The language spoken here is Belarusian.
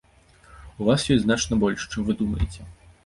У вас ёсць значна больш, чым вы думаеце.